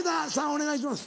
お願いします。